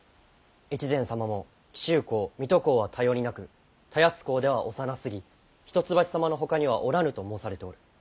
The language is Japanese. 越前様も「紀州公水戸公は頼りなく田安公では幼すぎ一橋様のほかにはおらぬ」と申されておる。